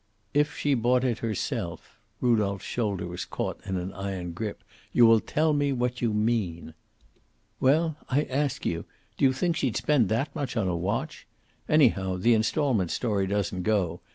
"If she bought it herself!" Rudolph's shoulder was caught in an iron grip. "You will tell me what you mean." "Well, I ask you, do you think she'd spend that much on a watch? Anyhow, the installment story doesn't go.